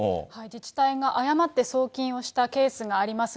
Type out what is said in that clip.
自治体が誤って送金をしたケースがあります。